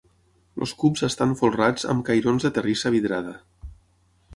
Els cubs estan folrats amb cairons de terrissa vidrada.